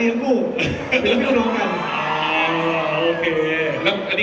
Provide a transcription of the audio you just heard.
เสียงปลดมือจังกัน